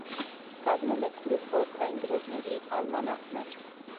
Կազմել է քուրդ խորհրդային գրողների ալմանախներ։